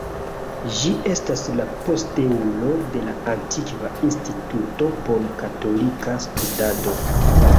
Ĝi estas la posteulo de la antikva Instituto por Katolika Studado.